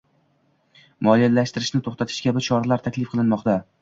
Moliyalashtirishni to'xtatish kabi choralar taklif qilinmoqda